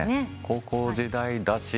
高校時代だし。